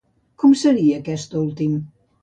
Com seria aquest últim?